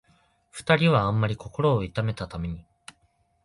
二人はあんまり心を痛めたために、